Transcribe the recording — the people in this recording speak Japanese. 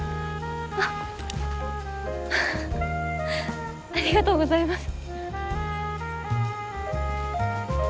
ありがとうございます。